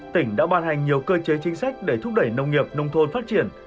tỉnh đã ban hành nhiều cơ chế chính sách để thúc đẩy nông nghiệp nông thôn phát triển